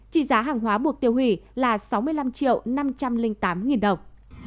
trị giá hàng hóa buộc tiêu hủy là sáu mươi năm triệu năm trăm linh tám nghìn đồng